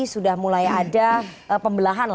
sudah mulai ada pembelahan